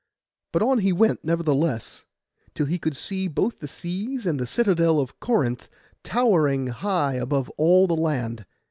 But on he went nevertheless, till he could see both the seas and the citadel of Corinth towering high above all the land.